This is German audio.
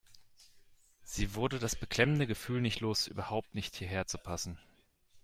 Sie wurde das beklemmende Gefühl nicht los, überhaupt nicht hierher zu passen.